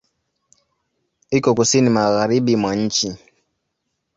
Iko Kusini magharibi mwa nchi.